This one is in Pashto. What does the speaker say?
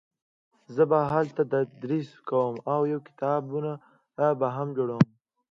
زه به هلته تدریس کوم او یو کتابتون به هم جوړوم